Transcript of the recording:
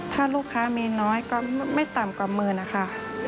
ถ้าลูกค้ามีน้อยก็ไม่ต่ำกว่าหมื่นนะคะ